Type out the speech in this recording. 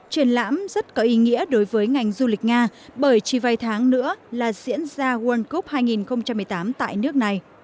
triển lãm rất có ý nghĩa đối với ngành du lịch nga bởi chỉ vài tháng nữa là diễn ra world cup hai nghìn một mươi tám tại nước này